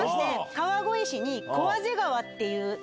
川越市に。